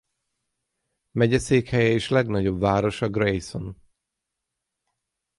Megyeszékhelye és legnagyobb városa Grayson.